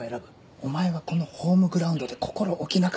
お前はこのホームグラウンドで心置きなく書けばいい。